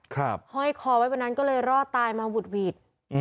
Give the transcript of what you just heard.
ห้อยคอไว้วันนั้นก็เลยรอดตายมาหุดหวิด